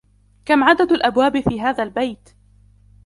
كم عدد الأبواب في هذا البيت؟